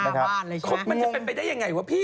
หน้าบ้านเลยใช่ไหมมันจะเป็นไปได้ยังไงวะพี่